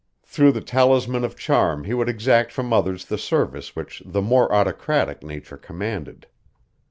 Through the talisman of charm he would exact from others the service which the more autocratic nature commanded.